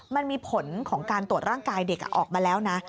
มันมีผลของการตรวจร่างกายเด็กออกมาแล้วนะ